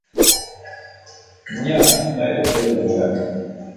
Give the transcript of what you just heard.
Mia mi aye ke yemelane.